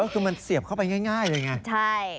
คือมันเสียบเข้าไปง่ายเลยไงใช่